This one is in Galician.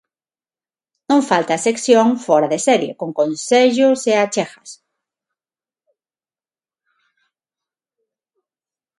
Non falta a sección 'Fóra de serie', con consellos e achegas.